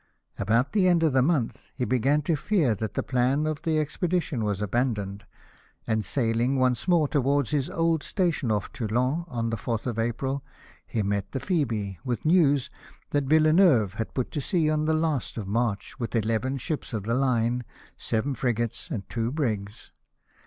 About the end of the month he began to fear that the plan of the expedition was abandoned, and sailing once more towards his old station off Toulon, on the 4th of April he met the Phoebe, with news that Villeneuve had put to sea on the last of March with eleven ships of the line, seven frigates, and two brigs.